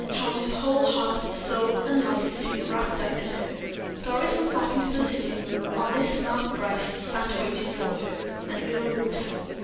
how his whole heart, soul, and life seemed wrapped up in her. Doris went back into the sitting room, where honest Mark Brace sat waiting for her, and Earle walked home.